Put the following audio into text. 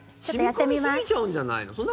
染み込みすぎちゃうんじゃないの？